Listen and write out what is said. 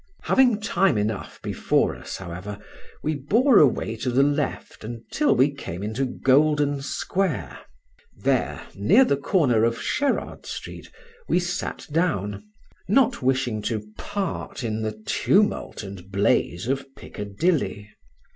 Having time enough before us, however, we bore away to the left until we came into Golden Square; there, near the corner of Sherrard Street, we sat down, not wishing to part in the tumult and blaze of Piccadilly.